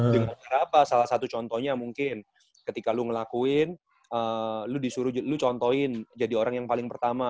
dengan berapa salah satu contohnya mungkin ketika lo ngelakuin lu disuruh lu contohin jadi orang yang paling pertama